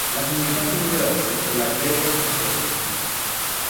La comunità più numerosa è quella greco-cattolica.